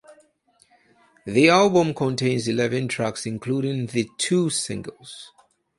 The album contains eleven tracks including the two singles.